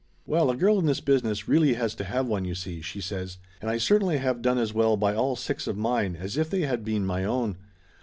"Well, a girl in this business really has to have one, you see," she says. "And I certainly have done as well by all six of mine as if they had been my own.